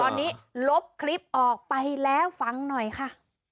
ตอนนี้ลบคลิปออกไปแล้วฟังหน่อยค่ะ